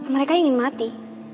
mereka ingin mati